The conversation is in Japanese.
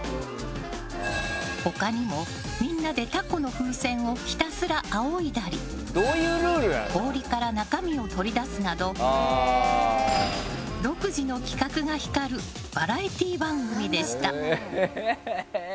他にもみんなでタコの風船をひたすらあおいだり氷から中身を取り出すなど独自の企画が光るバラエティー番組でした。